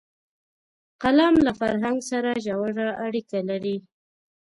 قلم له فرهنګ سره ژوره اړیکه لري